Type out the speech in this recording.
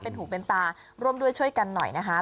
หูเป็นตาร่วมด้วยช่วยกันหน่อยนะคะ